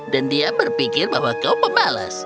dan dia berpikir bahwa kau pemalas